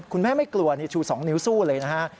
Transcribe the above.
คุณแม่ไม่กลัวชูสองนิ้วสู้เลยนะครับ